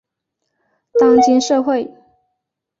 当今社会